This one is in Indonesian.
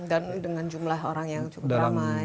dan dengan jumlah orang yang cukup ramai